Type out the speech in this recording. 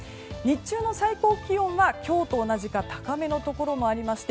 日中の最高気温は今日と同じか高めのところもあり